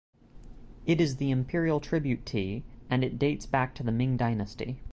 It is the imperial tribute tea and it dates back to the Ming Dynasty.